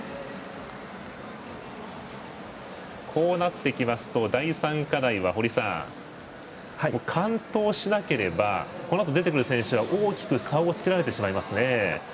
こうなってきますと第３課題は完登しなければこのあと出てくる選手は大きく差をつけられてしまいますね。